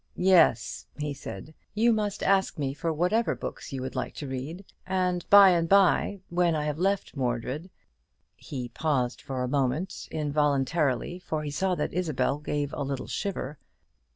"Yes," he said, "you must ask me for whatever books you would like to read: and by and by, when I have left Mordred " He paused for a moment, involuntarily, for he saw that Isabel gave a little shiver.